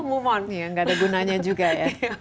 move on nggak ada gunanya juga ya